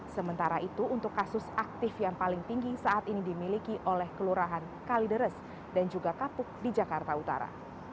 sementara itu untuk kasus aktif yang paling tinggi saat ini dimiliki oleh kelurahan kalideres dan juga kapuk di jakarta utara